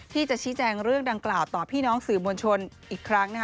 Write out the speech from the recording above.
ที่จะชี้แจงเรื่องดังกล่าวต่อพี่น้องสื่อมวลชนอีกครั้งนะคะ